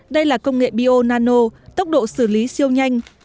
đây là công nghệ bio nano tốc độ xử lý siêu nhanh